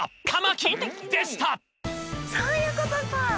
そういうことか！